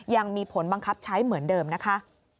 ยังมีผลบังคับใช้เหมือนเดิมนะคะ